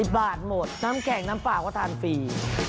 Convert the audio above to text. บาทหมดน้ำแข็งน้ำเปล่าก็ทานฟรี